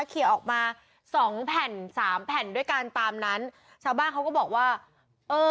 เคลียร์ออกมาสองแผ่นสามแผ่นด้วยกันตามนั้นชาวบ้านเขาก็บอกว่าเออ